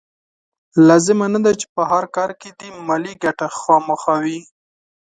لازمه نه ده چې په هر کار کې دې مالي ګټه خامخا وي.